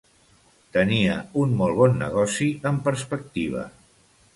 Tenia un molt bon negoci en perspectiva.